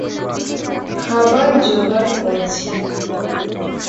খাবার জোগাড় করছি।